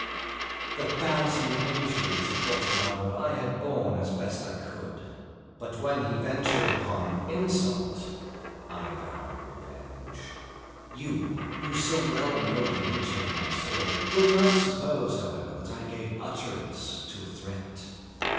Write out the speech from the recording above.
The thousand injuries of Fortunato I had borne as I best could; but when he ventured upon insult, I vowed revenge. You, who so well know the nature of my soul, will not suppose, however, that I gave utterance to a threat.